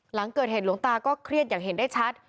หลังเกิดเหตุหลวงตาก็เครียดอย่างเห็นได้ชัด